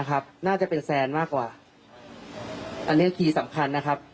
นะครับน่าจะเป็นแซนมากกว่าอันเนี้ยคีย์สำคัญนะครับ